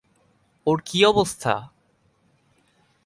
ওর কী অবস্থা?